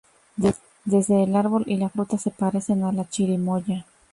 Desde el árbol y la fruta se parecen a la chirimoya.